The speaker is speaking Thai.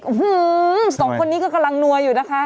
อื้อฮือสองคนนี้ก็กำลังนัวอยู่นะคะ